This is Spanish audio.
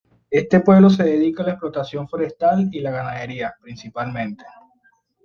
Este pueblo se dedica a la explotación forestal y la ganadería, principalmente.